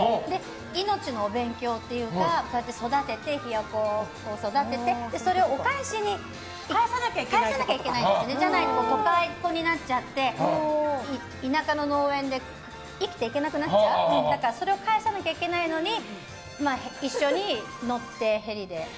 命の勉強というかそうやってヒヨコを育ててそれをお返しに返さなきゃいけなくてじゃないと都会っ子になっちゃって田舎の農園で生きていけなくなっちゃうからそれを返さなきゃいけないのに一緒に乗って、ヘリで。